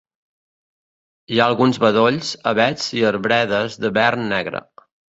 Hi ha alguns bedolls, avets i arbredes de vern negre.